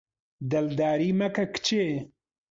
دڵداری مەکە کچێ